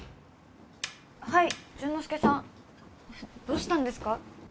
はい潤之介さんどうしたんですか？